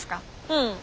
うん。